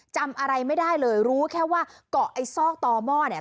จำอะไรไม่ได้เลยรู้แค่ว่าเกาะไอ้ซอกต่อหม้อเนี่ย